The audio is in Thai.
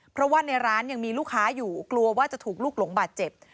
เพราะว่าในร้านยังมีลูกค้าอยู่กลัวว่าจะถูกลูกหลงบาดเจ็บ